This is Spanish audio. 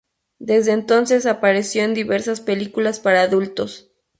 Desde entonces apareció en diversas películas para adultos.